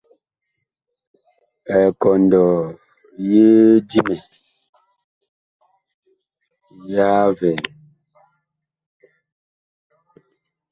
Ekɔndɔ ye Dimɛ ya vɛɛ.